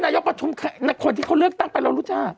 ประชุมคนที่เขาเลือกตั้งไปเรารู้จัก